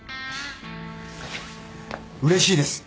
うれしいです。